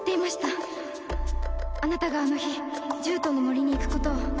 あなたがあの日獣人の森に行くことを。